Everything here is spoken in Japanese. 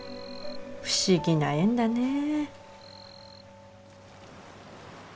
不思議な縁だねぇ。